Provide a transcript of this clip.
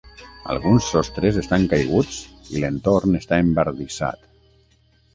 Alguns sostres estan caiguts i l'entorn està embardissat.